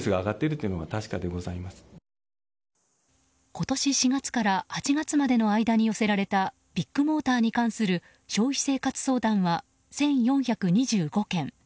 今年４月から８月までの間に寄せられたビッグモーターに関する消費生活相談は１４２５件。